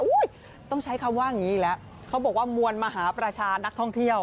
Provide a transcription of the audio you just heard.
ต้องใช้คำว่าอย่างนี้อีกแล้วเขาบอกว่ามวลมหาประชานักท่องเที่ยว